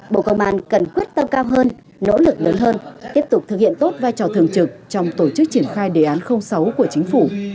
bộ công an cần quyết tâm cao hơn nỗ lực lớn hơn tiếp tục thực hiện tốt vai trò thường trực trong tổ chức triển khai đề án sáu của chính phủ